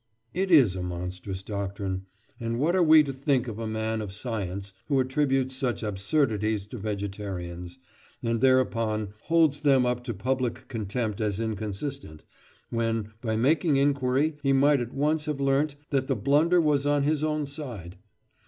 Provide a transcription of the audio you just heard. It is a monstrous doctrine; and what are we to think of a man of science who attributes such absurdities to vegetarians, and thereupon holds them up to public contempt as inconsistent, when by making inquiry he might at once have learnt that the blunder was on his own side?